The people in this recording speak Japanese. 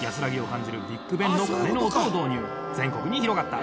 全国に広がった。